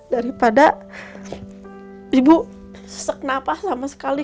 daripada ibu sesek nafas sama sekali